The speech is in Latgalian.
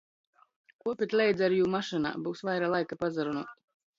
Kuopit leidza ar jū mašynā, byus vaira laika pasarunuot.